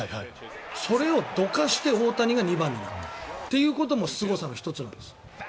それをどかして大谷が２番になったの。ということもすごさの１つなんです。